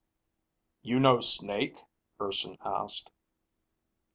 "You know Snake?" Urson asked.